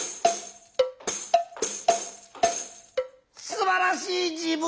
すばらしい自分！